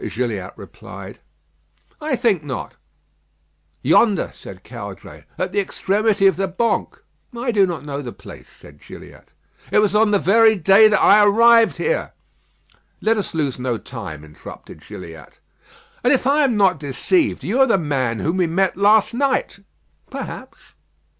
Gilliatt replied: "I think not." "Yonder," said Caudray, "at the extremity of the Banques." "I do not know the place," said Gilliatt. "It was on the very day that I arrived here." "Let us lose no time," interrupted Gilliatt. "And if I am not deceived, you are the man whom we met last night." "Perhaps."